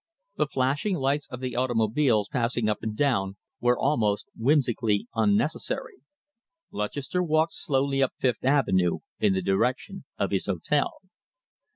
The flashing lights of the automobiles passing up and down were almost whimsically unnecessary. Lutchester walked slowly up Fifth Avenue in the direction of his hotel.